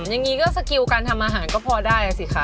อย่างนี้ก็สกิลการทำอาหารก็พอได้อ่ะสิคะ